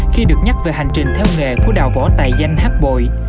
khi được nhắc về hành trình theo nghề của đào võ tài danh hát bội